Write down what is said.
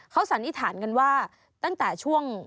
ลำถานกันว่าตั้งแต่ช่วง